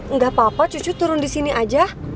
nggak apa apa cucu turun di sini aja